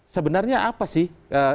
sebenarnya apa sih